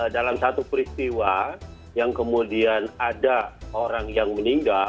dalam satu peristiwa yang kemudian ada orang yang meninggal